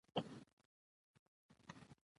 او خيال مې راغے چې نن د تيمم ورځ وه